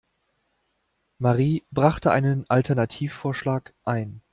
Marie brachte einen Alternativvorschlag ein.